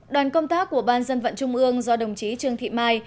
đoàn công tác của ban dân vận trung ương do đồng chí trương thị mai